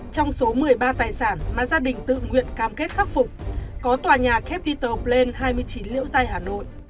trong số một mươi ba tài sản mà gia đình tự nguyện cam kết khắc phục có tòa nhà capital bland hai mươi chín liễu giai hà nội